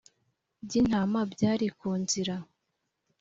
by intama byari ku nzira